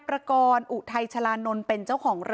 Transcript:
แต่คุณผู้ชมค่ะตำรวจก็ไม่ได้จบแค่ผู้หญิงสองคนนี้